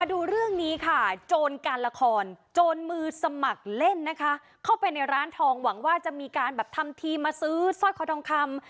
ดูเรื่องนี้ค่ะโจรการละครโจรมือสมัครเล่นนะคะเข้าไปในร้านทองหวังว่าจะมีการแบบทำทีมาซื้อสร้อยคอทองคำ